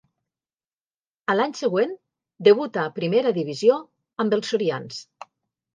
A l'any següent debuta a primera divisió amb els sorians.